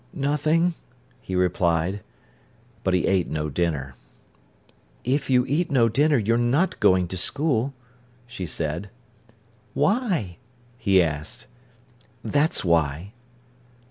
"Nothing," he replied. But he ate no dinner. "If you eat no dinner, you're not going to school," she said. "Why?" he asked. "That's why."